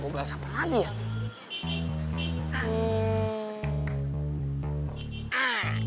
gue bahas apa lagi ya